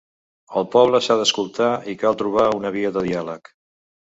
El poble s’ha d’escoltar i cal trobar una via de diàleg.